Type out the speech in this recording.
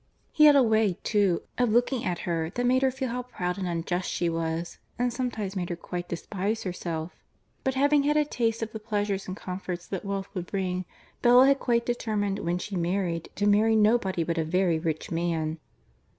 He had a way, too, of looking at her that made her feel how proud and unjust she was, and sometimes made her quite despise herself. But having had a taste of the pleasures and comforts that wealth would bring, Bella had quite determined when she married to marry nobody but a very rich man.